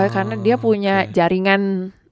karena dia punya jaringan